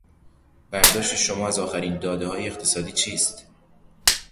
برداشت شما از آخرین دادههای اقتصادی چیست؟